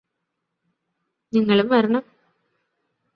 നിങ്ങളും വരണം